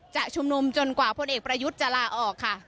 จะชุมนุมจนกว่าพลเอกประยุทธ์จะลาออกค่ะ